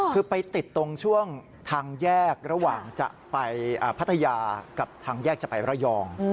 คือไปติดตรงช่วงทางแยกระหว่างจะไปพัทยากับทางแยกจะไประยอง